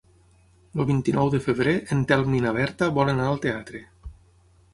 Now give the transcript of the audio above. El vint-i-nou de febrer en Telm i na Berta volen anar al teatre.